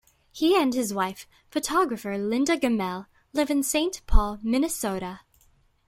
He and his wife, photographer Linda Gammell, live in Saint Paul, Minnesota.